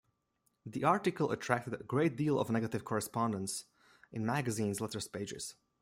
The article attracted a great deal of negative correspondence in the magazine's letters pages.